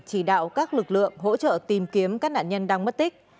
chỉ đạo các lực lượng hỗ trợ tìm kiếm các nạn nhân đang mất tích